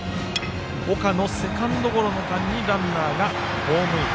岡のセカンドゴロの間にランナーがホームイン。